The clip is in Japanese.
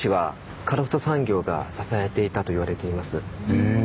へえ。